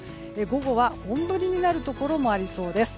午後は本降りになるところもありそうです。